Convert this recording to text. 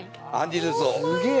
すげえ。